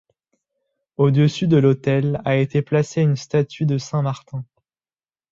Au-dessus de l'autel a été placée une statue de saint Martin.